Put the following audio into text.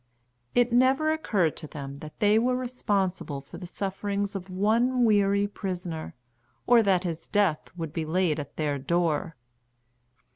It never occurred to them that they were responsible for the sufferings of one weary prisoner, or that his death would be laid at their door.